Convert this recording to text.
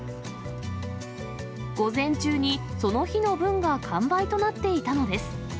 午前中にその日の分が完売となっていたのです。